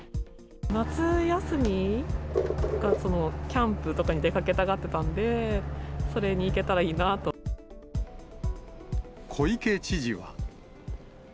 夏休みがキャンプとかに出かけたがってたんで、それに行けた小池知事は。